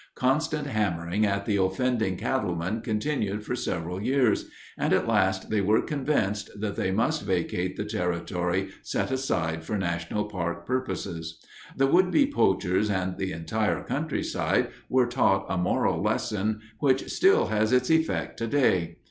Constant hammering at the offending cattlemen continued for several years, and at last they were convinced that they must vacate the territory set aside for National Park purposes. The would be poachers and the entire countryside were taught a moral lesson which still has its effect today.